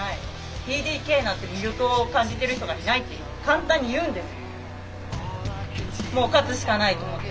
ＴＤＫなんて魅力を感じている人がいないって簡単に言うんです。